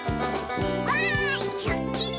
「わーいすーっきり」